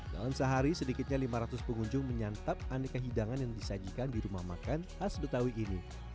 dalam sehari sedikitnya lima ratus pengunjung menyantap aneka hidangan yang disajikan di rumah makan khas betawi ini